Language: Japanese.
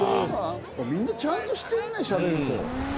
みんなちゃんとしてるねしゃべると。